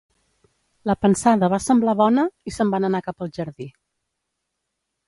La pensada va semblar bona, i se'n van anar cap al Jardí.